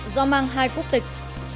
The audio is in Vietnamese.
do mang hai quốc tịch